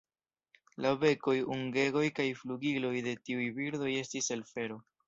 La bekoj, ungegoj kaj flugiloj de tiuj birdoj estis el fero.